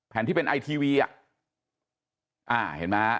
แผนที่เป็นไอทีวีอ่ะอ่าเห็นมั้ย